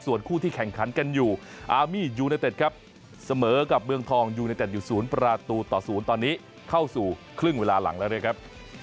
ส่วนคู่ที่แข่งขันกันอยู่อามียูเนเต็ดครับเสมอกับเมืองทองยูเนเต็ดอยู่๐ประตูต่อ๐ตอนนี้เข้าสู่ครึ่งเวลาหลังแล้วนะครับ